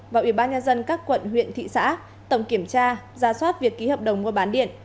và ubnd các quận huyện thị xã tổng kiểm tra giả soát việc ký hợp đồng mua bán điện